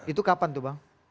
itu kapan tuh bang